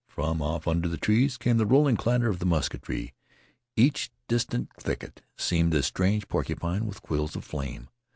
From off under the trees came the rolling clatter of the musketry. Each distant thicket seemed a strange porcupine with quills of flame.